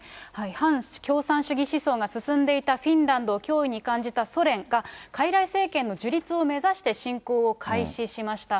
反共産主義思想が進んでいたフィンランドを脅威に感じたソ連が、かいらい政権の樹立を目指して、侵攻を開始しました。